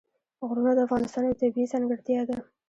غرونه د افغانستان یوه طبیعي ځانګړتیا ده.